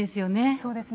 そうですね。